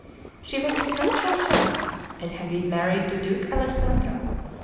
She was his natural child, and had been married to Duke Alessandro.